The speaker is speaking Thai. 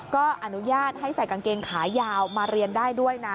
ก็อนุญาตให้ใส่กางเกงขายาวมาเรียนได้ด้วยนะ